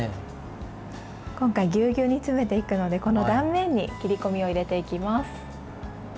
今回ぎゅうぎゅうに詰めていくのでこの断面に切り込みを入れていきます。